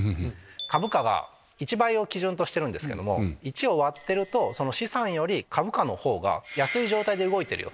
株価が１倍を基準としてるんですけど１を割ってると資産より株価の方が安い状態で動いてる。